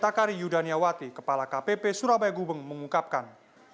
takari yudaniawati kepala kpp surabaya gubeng mengungkapkan